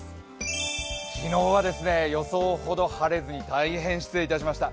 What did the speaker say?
昨日は予想ほど晴れずに大変失礼いたしました。